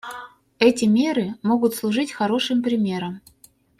Эти меры могут служить хорошим примером.